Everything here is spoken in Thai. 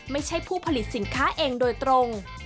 ไม่ใช่ผู้ผลิตสินค้าเองโดยตรง